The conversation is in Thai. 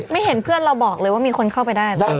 เห็นเพื่อนเราบอกเลยว่ามีคนเข้าไปได้